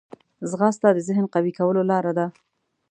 ځغاسته د ذهن قوي کولو لاره ده